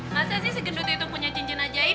masa sih si gendut itu punya cincin ajaib